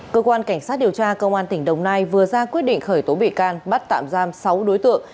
cơ quan cảnh sát điều tra công an tỉnh đồng nai vừa ra quyết định khởi tố bị can bắt tạm giam sáu đối tượng